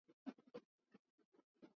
wasi wekeze tu wao wazitegemee tu